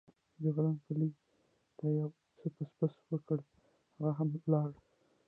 جګړن پلي ته یو څه پسپسې وکړې، هغه هم ولاړ.